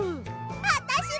あたしも！